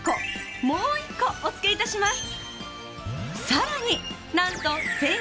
もう１個おつけいたします！